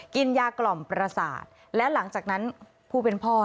กินยากล่อมประสาทและหลังจากนั้นผู้เป็นพ่อ